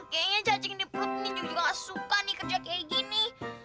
kayaknya cacing di perut minyuk juga nggak suka nih kerja kayak gini